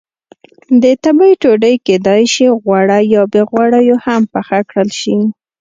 د تبۍ ډوډۍ کېدای شي غوړه یا بې غوړیو هم پخه کړل شي.